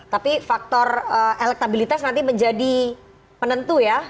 tapi faktor elektabilitas nanti menjadi penentu ya